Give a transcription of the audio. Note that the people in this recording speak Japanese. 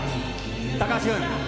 高橋君。